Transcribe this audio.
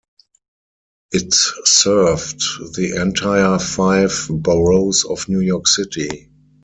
It served the entire five boroughs of New York City.